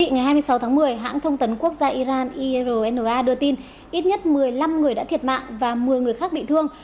ngày hai mươi sáu tháng một mươi hãng thông tấn quốc gia iran irna đưa tin ít nhất một mươi năm người đã thiệt mạng và một mươi người khác bị thương